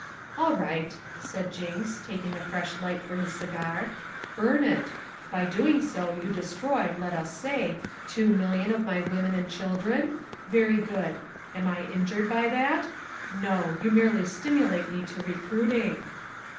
"All right," said Jinks, taking a fresh light for his cigar, "burn it! By doing so, you destroy, let us say, two million of my women and children? Very good. Am I injured by that? No. You merely stimulate me to recruiting."